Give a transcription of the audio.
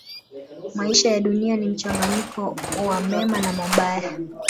Maisha ya Dunia ni mchanganyiko wa mema na mabaya.